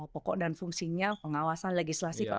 dua belas pokok dan fungsinya pengawasan legislasi pak